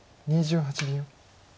２８秒。